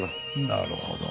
なるほど。